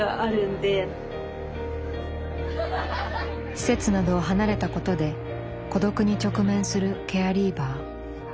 施設などを離れたことで孤独に直面するケアリーバー。